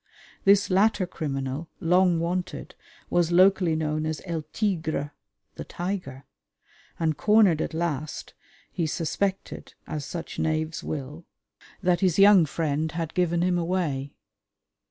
This latter criminal, long "wanted," was locally known as El Tigre (The Tiger), and, cornered at last, he suspected, as such knaves will, that his young friend had given him away.